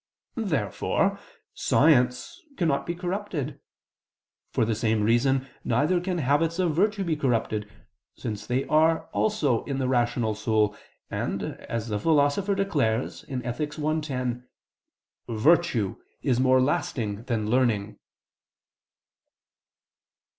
Therefore science cannot be corrupted. For the same reason neither can habits of virtue be corrupted, since they also are in the rational soul, and, as the Philosopher declares (Ethic. i, 10), "virtue is more lasting than learning."